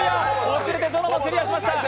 遅れて、ゾノもクリアしました。